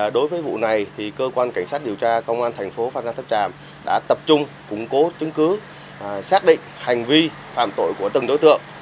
đối với vụ này cơ quan cảnh sát điều tra công an thành phố phan rang tháp tràm đã tập trung củng cố tính cứ xác định hành vi phạm tội của từng đối tượng